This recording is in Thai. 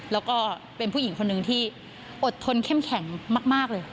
แล้วก็เป็นผู้หญิงคนหนึ่งที่อดทนเข้มแข็งมากเลย